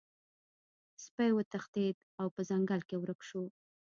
سپی وتښتید او په ځنګل کې ورک شو.